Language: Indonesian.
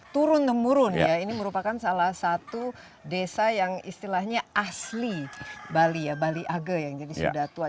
turun temurun ya ini merupakan salah satu desa yang istilahnya asli bali ya bali age yang jadi sudah tua